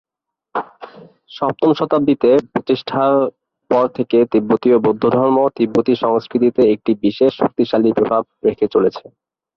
সপ্তম শতাব্দীতে প্রতিষ্ঠার পর থেকে তিব্বতীয় বৌদ্ধধর্ম তিব্বতি সংস্কৃতিতে একটি বিশেষ শক্তিশালী প্রভাব রেখে চলেছে।